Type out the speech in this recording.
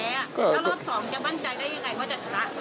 แล้วรอบ๒จะมั่นใจได้ยังไงว่าจะชนะ